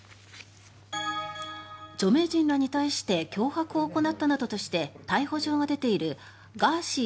著名人らに対して脅迫を行ったなどとして逮捕状が出ているガーシー